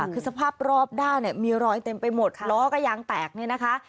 คือสภาพรอบด้านเนี่ยมีรอยเต็มไปหมดล้อก็ยางแตกเนี่ยนะคะ